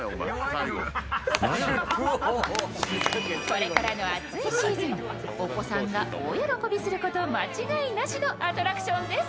これからの暑いシーズン、お子さんが大喜びすること間違いなしのアトラクションです。